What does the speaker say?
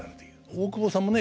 大久保さんもね